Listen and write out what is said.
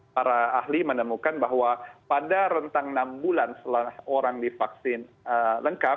para ahli menemukan bahwa pada rentang enam bulan setelah orang divaksin lengkap